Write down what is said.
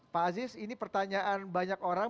pak aziz ini pertanyaan banyak orang